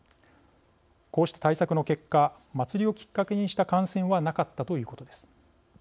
こうした対策の結果祭りをきっかけにした感染はなかったということです。